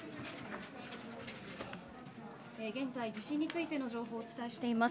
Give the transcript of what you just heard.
現在、地震についての情報をお伝えしています。